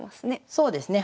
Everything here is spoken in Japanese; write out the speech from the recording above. そうですね